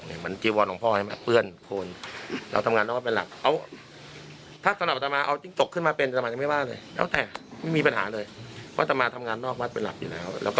เหมือนจีวอลของพ่อเพื่อนคนเราทำงานนอกวัดเป็นหลัก